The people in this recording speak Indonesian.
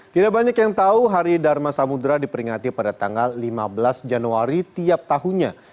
tidak banyak yang tahu hari dharma samudera diperingati pada tanggal lima belas januari tiap tahunnya